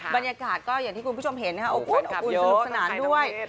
บรรยากาศก็อย่างที่คุณผู้ชมเห็นโอ้คุณสนุกสนานด้วย